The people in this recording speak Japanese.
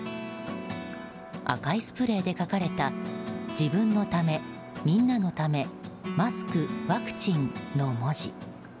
赤いスプレーで書かれた「自分のためみんなのためマスク・ワクチン」の文字。